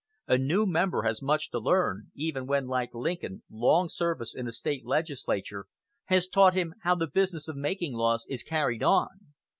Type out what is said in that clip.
A new member has much to learn, even when, like Lincoln, long service in a State legislature has taught him how the business of making laws is carried on.